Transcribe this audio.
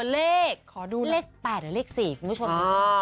เลข๘หรือเลข๔คุณผู้ชม